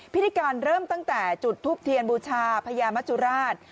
พิธีการเริ่มตั้งแต่จุดทูปเทียนบูชาพญามจุราช